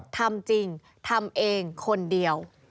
ทำจริงทำเองคนเดียว